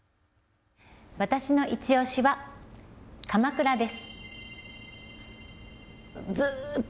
私のいちオシは鎌倉です。